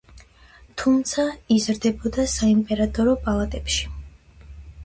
თუმცა იზრდებოდა საიმპერატორო პალატებში.